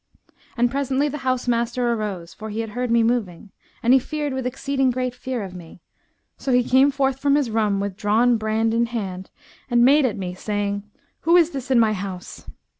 And presently the house master arose, for he had heard me moving, and he feared with exceeding great fear of me; so he came forth from his room with drawn brand in hand and made at me, saying, 'Who is this in my house?'